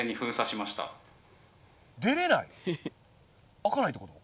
開かないってこと？